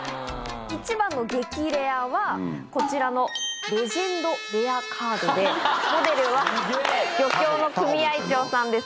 一番の激レアは、こちらのレジェンドレアカードで、モデルは漁協の組合長さんです。